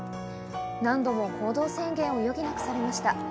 何度も行動制限を余儀なくされました。